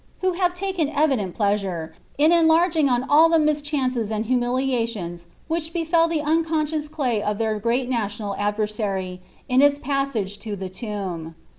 who ha™ uken eridenl pleasure in enlarging on all the miadiances mid hu miliations which befel the unconscious clay of their great nat iottal ndm Mry, in its psasa|;e to the tomb.